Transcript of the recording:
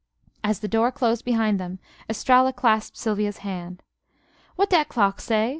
As the door closed behind them Estralla clasped Sylvia's hand. "Wat dat clock say?"